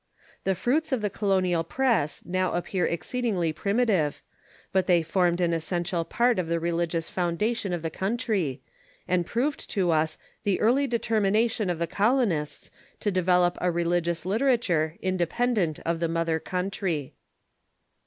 The fruits of the colonial press now appear exceedingly primitive, but they formed an essential part of the religious foundation of the country, and prove to us the early determination of the colo nists to develop a religious literature independent of the moth er country.